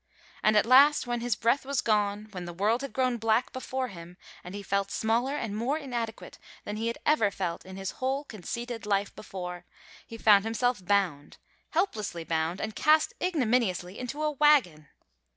And at last, when his breath was gone, when the world had grown black before him, and he felt smaller and more inadequate than he had ever felt in his whole conceited life before, he found himself bound, helplessly bound, and cast ignominiously into a wagon.